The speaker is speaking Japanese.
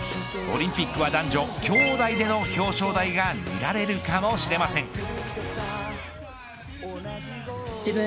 オリンピックは男女きょうだいでの表彰台が見られるかもしれません。